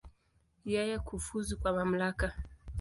Yeye kufuzu kwa mamlaka.